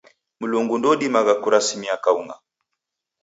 Mlungu ndoudimagha kurasimia kaung'a.